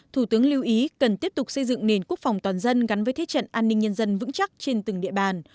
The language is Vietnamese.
thủ tướng lưu ý cần tiếp tục xây dựng nền quốc phòng toàn dân gắn với thế trận an ninh nhân dân vững chắc trên từng địa bàn